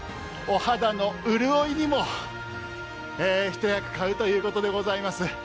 お肌の潤いにも一役買うということでございます。